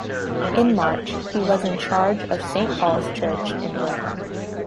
In March, he was in charge of Saint Paul's Church in Rome.